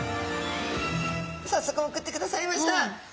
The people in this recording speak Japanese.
さっそく送ってくださいました。